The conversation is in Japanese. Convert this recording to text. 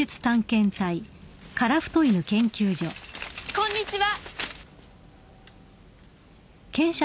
こんにちは！